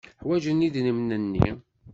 Ḥwajen idrimen-nni.